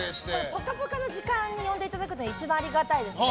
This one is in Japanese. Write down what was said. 「ぽかぽか」の時間に呼んでいただくのは一番ありがたいですね。